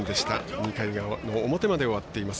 ２回の表まで終わっています。